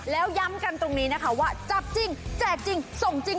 แล้วย้ำกันตรงนี้นะคะว่าจับจริงแจกจริงส่งจริง